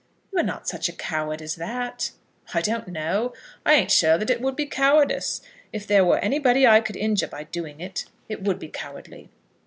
"You are not such a coward as that." "I don't know. I ain't sure that it would be cowardice. If there were anybody I could injure by doing it, it would be cowardly."